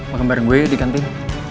makan bareng gue ya di kantin